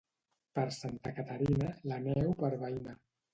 Per Santa Caterina, la neu per veïna.